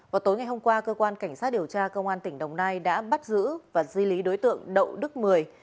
vào tối ngày hôm qua cơ quan cảnh sát điều tra công an tỉnh đồng nai đã bắt giữ và di lý đối tượng đậu đức mười